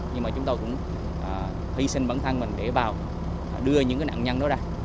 nhưng mà chúng tôi cũng hy sinh bản thân mình để vào đưa những nạn nhân đó ra